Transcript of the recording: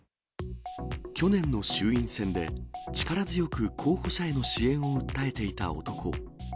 去年の衆院選で、力強く候補者への支援を訴えていた男。